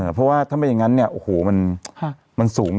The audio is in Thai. เพราะว่าถ้าไม่อย่างนั้นเนี่ยโอ้โหมันสูง